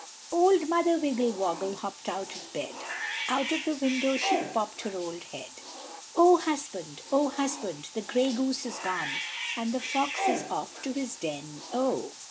Old Mother Wiggle Waggle hopped out of bed, Out of the window she popped her old head; "Oh! husband, oh! husband, the grey goose is gone, And the fox is off to his den, oh!"